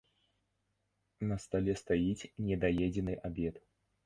На стале стаіць недаедзены абед.